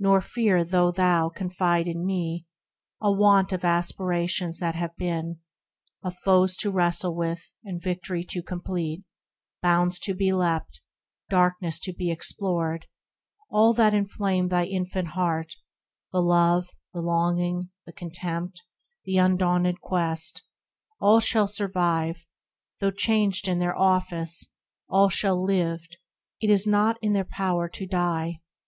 Nor fear, though thou confide in me, a want Of aspirations that have been — of foes To wrestle with, and victory to complete, Bounds to be leapt, darkness to be explored ; THE RECLUSE 49 All that inflamed thy infant heart, the love, The longing, the contempt, the undaunted quest, All shall survive, though changed their oflice, all Shall live, it is not in their power to die.